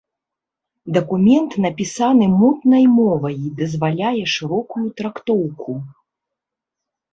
Дакумент напісаны мутнай мовай і дазваляе шырокую трактоўку.